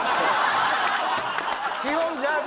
基本ジャージ